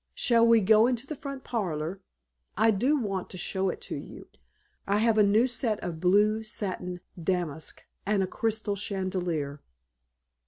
Shall we go into the front parlor? I do so want to show it to you. I have a new set of blue satin damask and a crystal chandelier."